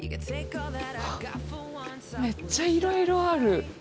めっちゃいろいろある！